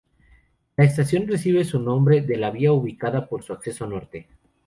La estación recibe su nombre de la vía ubicada por su acceso norte.